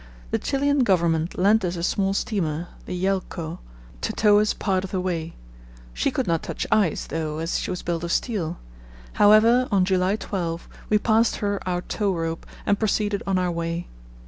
The Chilian Government lent us a small steamer, the Yelcho, to tow us part of the way. She could not touch ice, though, as she was built of steel. However, on July 12 we passed her our tow rope and proceeded on our way.